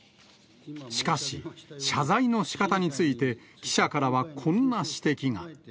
しかし、謝罪のしかたについて、記者からはこんな指摘が。